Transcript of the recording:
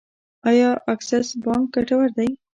آیا اکسس بانک ګټور دی؟